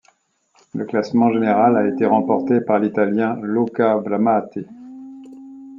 Le classement général a été remporté par l'Italien Luca Bramati.